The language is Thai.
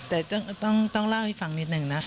แต่ต้องเล่าให้ฟังนิดนึงนะ